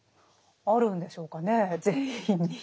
あるんでしょうかね全員に。